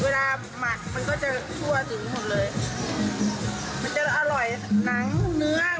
เวลาหมักมันก็จะชั่วถึงหมดเลย